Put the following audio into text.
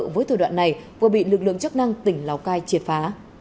vừa bị lực lượng chức năng tỉnh lào cai triệt phá